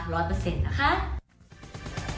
ร้อยเปอร์เซ็นต์นะคะ